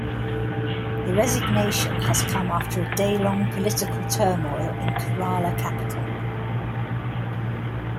The resignation has come after a day long political turmoil in Kerala capital.